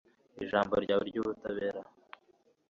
ijambo ryawe ry'ubutabera